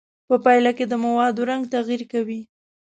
په پایله کې د موادو رنګ تغیر کوي.